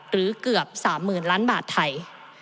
หรือเกือบ๓๐๐๐ล้านบาทไทย